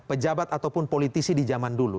pejabat ataupun politisi di zaman dulu